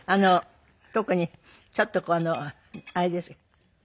特にちょっとこのあれですか？